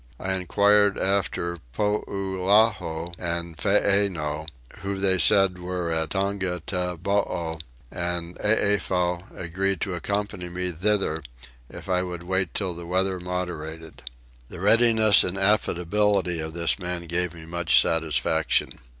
I enquired after Poulaho and Feenow, who they said were at Tongataboo; and Eefow agreed to accompany me thither if I would wait till the weather moderated. The readiness and affability of this man gave me much satisfaction.